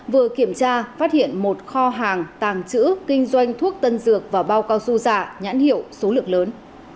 vừa kiểm tra phát hiện một kho hàng tàng trữ kinh doanh thuốc tân dược và bao cao su giả nhãn hiệu số lượng lớn